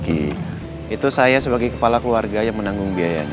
itu saya sebagai kepala keluarga yang menanggung biaya ini